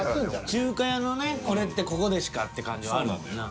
中華屋のねこれってここでしかって感じはあるんだよな。